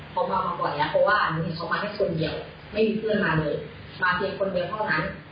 เขาเมามาก่อนแล้วเพราะว่ามีเขามาแค่คนเดียวไม่มีเพื่อนมาเลยมาเพียงคนเดียวเท่านั้น